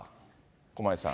駒井さん。